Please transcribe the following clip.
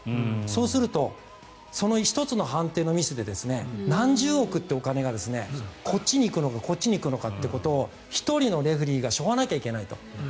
そうするとその１つの判定のミスで何十億ってお金がこっちに行くのかということを１人のレフェリーが背負わなきゃいけないと。